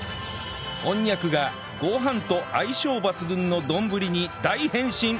こんにゃくがご飯と相性抜群の丼に大変身